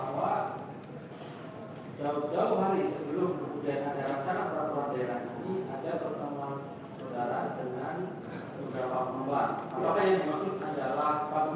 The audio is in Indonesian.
makanya saya minta formulasi